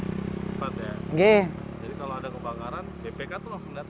jadi kalau ada kebakaran bpk tuh langsung datang